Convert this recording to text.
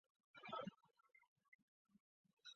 江南金山人。